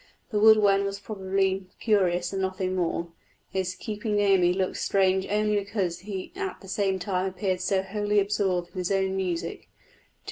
The wood wren was probably curious and nothing more; his keeping near me looked strange only because he at the same time appeared so wholly absorbed in his own music.